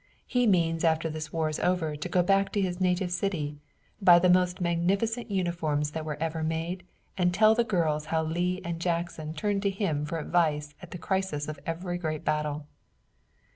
"He means after this war is over to go back to his native city, buy the most magnificent uniforms that were ever made, and tell the girls how Lee and Jackson turned to him for advice at the crisis of every great battle."